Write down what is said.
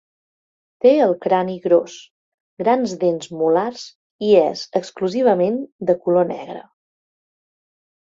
Té el crani gros, grans dents molars i és, exclusivament, de color negre.